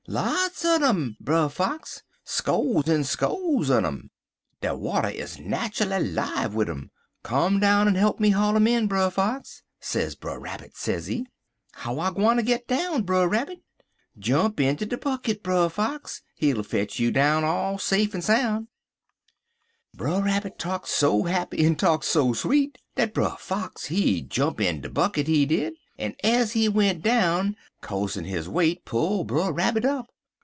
"'Lots un um, Brer Fox; scoze en scoze un um. De water is natchully 'live wid um. Come down en he'p me haul um in, Brer Fox,' sez Brer Rabbit, sezee. "'How I gwineter git down, Brer Rabbit?' "'Jump inter de bucket, Brer Fox. Hit'll fetch you down all safe en soun'.' "Brer Rabbit talk so happy en talk so sweet dat Brer Fox he jump in de bucket, he did, en, ez he went down, co'se his weight pull Brer Rabbit up.